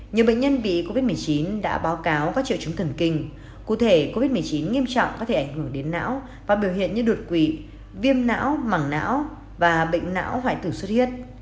nhiều bệnh nhân bị covid một mươi chín đã báo cáo các triệu chứng thần kinh cụ thể covid một mươi chín nghiêm trọng có thể ảnh hưởng đến não và biểu hiện như đột quỵ viêm não mảng não và bệnh não hoại tử xuất huyết